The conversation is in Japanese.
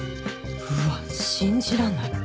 うわ信じらんない。